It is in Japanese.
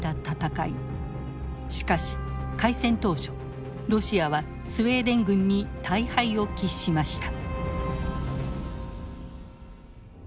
しかし開戦当初ロシアはスウェーデン軍に大敗を喫しました。